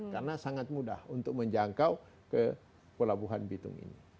karena sangat mudah untuk menjangkau ke pelabuhan bitu ini